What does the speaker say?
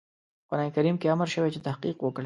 په قرآن کريم کې امر شوی چې تحقيق وکړئ.